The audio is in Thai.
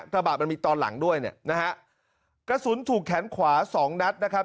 กระบะมันมีตอนหลังด้วยเนี่ยนะฮะกระสุนถูกแขนขวาสองนัดนะครับ